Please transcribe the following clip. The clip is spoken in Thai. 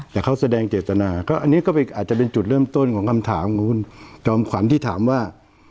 แต่เขาแสดงเจตนาก็อันนี้ก็อาจจะเป็นจุดเริ่มต้นของคำถามของคุณจอมขวัญที่ถามว่า